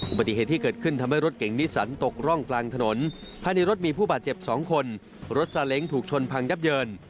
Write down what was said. อุบัติเหตุที่เกิดขึ้นทำให้รถเก่งนิสันตกร่องกลางถนนภายในรถมีผู้บาดเจ็บ๒คนรถซาเล้งถูกชนพังยับเยิน